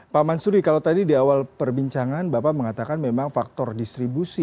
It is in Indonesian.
pak mansuri kalau tadi di awal perbincangan bapak mengatakan memang faktor distribusi